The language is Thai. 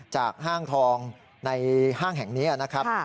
ห้างทองในห้างแห่งนี้นะครับ